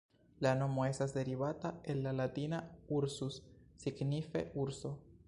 La nomo estas derivata el la Latina "ursus", signife "urso".